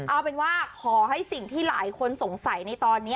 เอาเป็นว่าขอให้สิ่งที่หลายคนสงสัยในตอนนี้